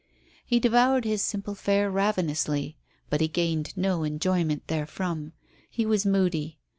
He devoured his simple fare ravenously, but he gained no enjoyment therefrom. He was moody.